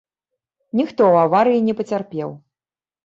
Ніхто ў аварыі не пацярпеў.